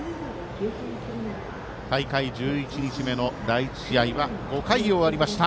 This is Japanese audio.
大会１１日目の第１試合は５回、終わりました。